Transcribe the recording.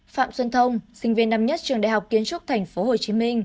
phạm xuân thông sinh viên năm nhất trường đại học kiến trúc tp hcm